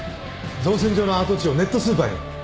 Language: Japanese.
造船所の跡地をネットスーパーに。